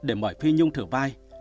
để mời phi nhung thử vai